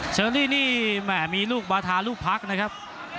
เชอรี่นี่แม่มีลูกบาทาลูกพักนะครับ